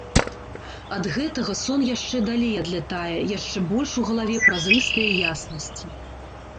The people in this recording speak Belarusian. Ад гэтага сон яшчэ далей адлятае, яшчэ больш у галаве празрыстае яснасці.